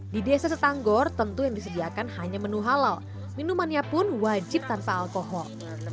di desa setanggor tentu yang disediakan hanya menu halal minumannya pun wajib tanpa alkohol